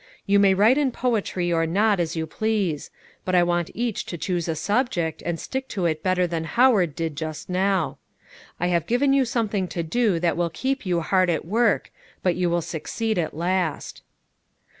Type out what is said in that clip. You may write in poetry or not, as you please; but I want each to choose a subject, and stick to it better than Howard did just now. I have given you something to do that will keep you hard at work, but you will succeed at last."